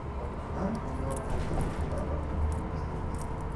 Ankaŭ nova leĝo pri baloto ekfunkciis.